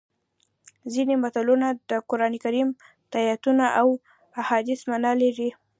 ځینې متلونه د قرانکریم د ایتونو او احادیثو مانا لري